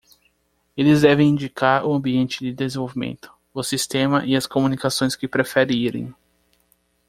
Eles devem indicar o ambiente de desenvolvimento, o sistema e as comunicações que preferirem.